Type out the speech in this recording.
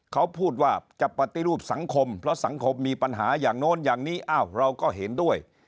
เขาพูดว่าจะปฏิรูปสังคมเพราะสังคมมีปัญหาอย่างโน้นอย่างนี้อ้าวเราก็เห็นด้วย